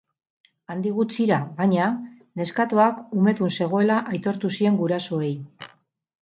Handik gutxira, baina, neskatoak umedun zegoela aitortu zien gurasoei.